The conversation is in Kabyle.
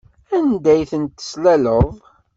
Anda ay tent-teslaleḍ?